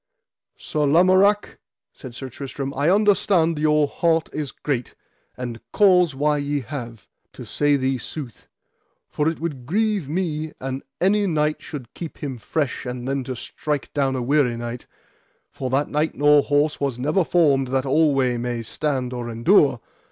Sir Lamorak, said Sir Tristram, I understand your heart is great, and cause why ye have, to say thee sooth; for it would grieve me an any knight should keep him fresh and then to strike down a weary knight, for that knight nor horse was never formed that alway might stand or endure.